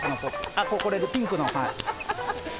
あっこれピンクのはい。